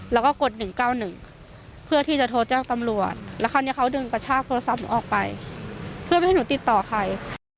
แล้วก็กด๑๙๑เพื่อที่จะโทรแจ้งตำรวจแล้วคราวนี้เขาดึงกระชากโทรศัพท์หนูออกไปเพื่อไม่ให้หนูติดต่อใคร